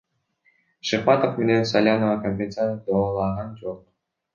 Шыкмаматов менен Салянова компенсация доолаган жок.